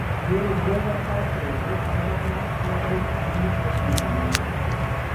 வேறு உலோகத்தால் செய்து, தங்க முலாம் பூசியும் அணிந்து கொள்கின்றனர்.